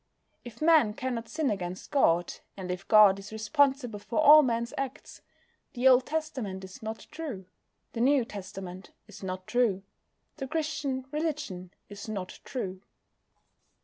If Man cannot sin against God, and if God is responsible for all Man's acts, the Old Testament is not true, the New Testament is not true, the Christian religion is not true.